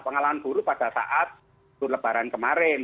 pengalaman buruh pada saat tur lebaran kemarin